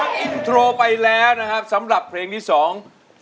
อินโทรไปแล้วนะครับสำหรับเพลงที่สอง